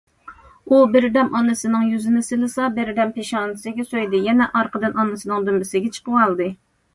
ئۇ بىردەم ئانىسىنىڭ يۈزىنى سىلىسا، بىردەم پېشانىسىگە سۆيدى، يەنە ئارقىدىن ئانىسىنىڭ دۈمبىسىگە چىقىۋالدى.